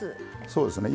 そうですね